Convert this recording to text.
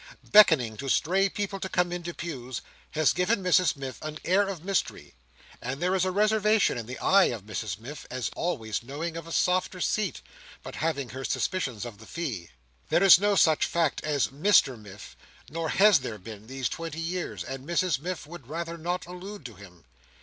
Beckoning to stray people to come into pews, has given Mrs Miff an air of mystery; and there is reservation in the eye of Mrs Miff, as always knowing of a softer seat, but having her suspicions of the fee. There is no such fact as Mr Miff, nor has there been, these twenty years, and Mrs Miff would rather not allude to him.